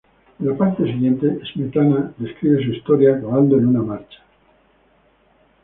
En la parte siguiente, Smetana describe su historia, acabando en una marcha.